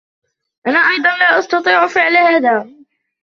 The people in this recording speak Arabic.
أنا أيضا لا أستطيع فعل هذا.